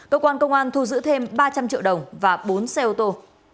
cơ quan công an thu giữ thêm ba trăm linh triệu đồng và bốn xe ô tô